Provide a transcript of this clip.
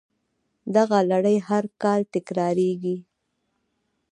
دغه لړۍ هر کال تکراریږي